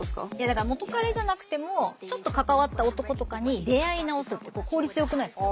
だから元カレじゃなくてもちょっと関わった男とかに出会い直すって効率良くないですか？